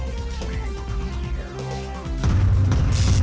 wah bajanya tenggelam